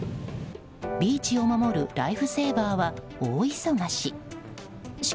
ビーチを守るライフセーバーは大忙し。